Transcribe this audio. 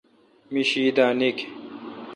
می شی دا نیکھ،